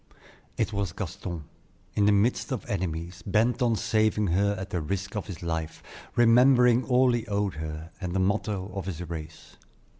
It was Gaston, in the midst of enemies, bent on saving her at the risk of his life, remembering all he owed her, and the motto of his race.